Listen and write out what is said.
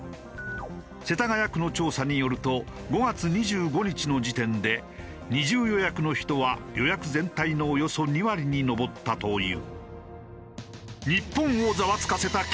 世田谷区の調査によると５月２５日の時点で二重予約の人は予約全体のおよそ２割に上ったという。